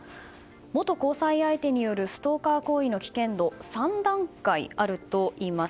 元交際相手によるストーカー行為の危険度３段階あるといいます。